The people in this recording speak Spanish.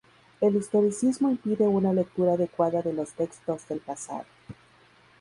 El historicismo impide una lectura adecuada de los textos del pasado.